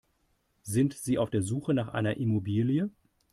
Sind Sie auf der Suche nach einer Immobilie?